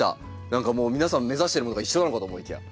何かもう皆さん目指してるものが一緒なのかと思いきや。